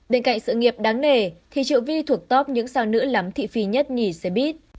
bên cạnh sự nghiệp đáng nể thì triệu vi thuộc top những sao nữ lắm thị phi nhất nhỉ sẽ biết